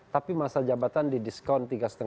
tapi masa jabatan didiskon tiga lima bulan